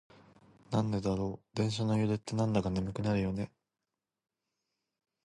なんでだろう、電車の揺れってなんだか眠くなるよね。